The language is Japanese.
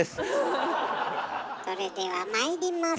それではまいります。